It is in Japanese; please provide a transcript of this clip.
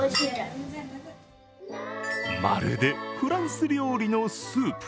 まるでフランス料理のスープ。